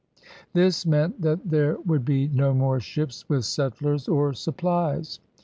This meant that there would be no more ships with settlers or supplies.